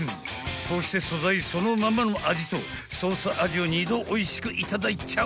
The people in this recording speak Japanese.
［こうして素材そのままの味とソース味を２度おいしくいただいちゃう］